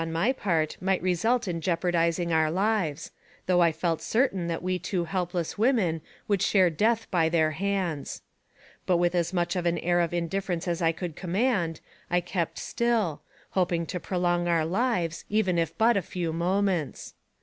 on my part might result in jeopardizing our lives, though I felt certain that we two helpless women would share death by their hands; but with as much of an air of indifference as I could command, I kept stili, hoping to prolong our lives, even if but a few moments.